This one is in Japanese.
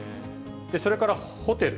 それからホテル。